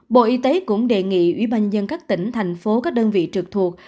bộ y tế cũng đề nghị ủy banh dân các tỉnh thành phố các đơn vị trực thuộc